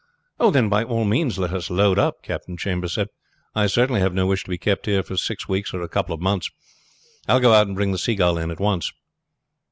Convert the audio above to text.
"Then by all means let us load up," Captain Chambers said. "I certainly have no wish to be kept here for six weeks or a couple of months. I will go out and bring the Seagull in at once."